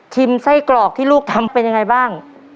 ไส้กรอกที่ลูกทำเป็นยังไงบ้าง